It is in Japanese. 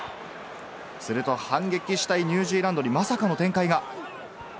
すると反撃したいニュージーランドにまさかの展開が。